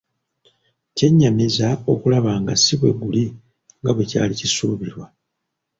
Kyennyamiza okulaba nga si bwe guli nga bwekyali kisuubirwa.